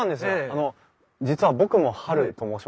あの実は僕もハルと申しまして。